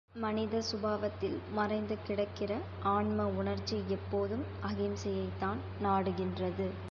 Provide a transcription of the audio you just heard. மனித சுபாவத்தில் மறைந்து கிடக்கிற ஆன்ம உணர்ச்சி எப்போதும் அகிம்சையைத்தான் நாடுகின்றது.